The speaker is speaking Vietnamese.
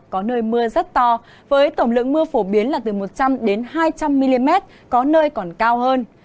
có nơi mưa rất to với tổng lượng mưa phổ biến là từ một trăm linh hai trăm linh mm có nơi còn cao hơn